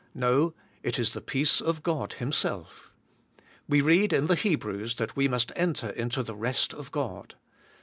No; it is the peace of God Himself. We read in the Hebrews that we must enter into the rest of God.